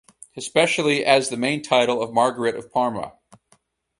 Especially as the main title of Margaret of Parma.